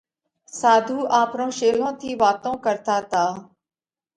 ساڌُو آپرون شيلون ٿِي واتون ڪرتا تا۔